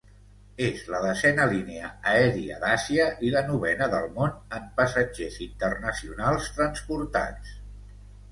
És la desena línia aèria d'Àsia i la novena del món en passatgers internacionals transportats.